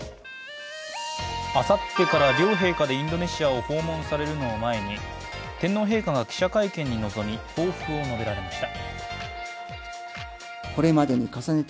あさってから両陛下でインドネシアを訪問されるのを前に天皇陛下が記者会見に臨み抱負を述べられました。